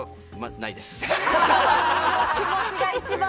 気持ちが一番！